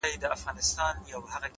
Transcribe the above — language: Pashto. • خو چي راغلې پر موږ کرونا ده,